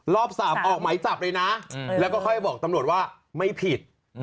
รอบ๓ออกไหมจับเลยนะแล้วก็ค่อยบอกตำรวจว่าไม่ผิด